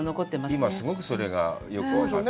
今すごくそれがよく分かった。